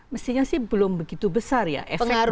mestinya sih belum begitu besar ya efek dari digitalisasi